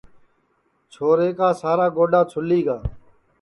چھورا کا سارا گوڈؔا چُھولی گا